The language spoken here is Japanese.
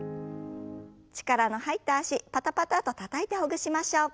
力の入った脚パタパタッとたたいてほぐしましょう。